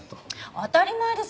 当たり前です。